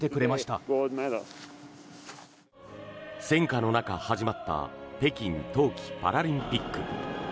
戦渦の中、始まった北京冬季パラリンピック。